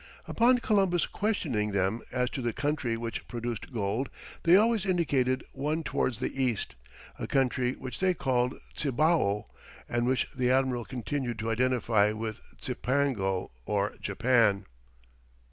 Upon Columbus questioning them as to the country which produced gold, they always indicated one towards the east, a country which they called Cibao, and which the admiral continued to identify with Cipango or Japan.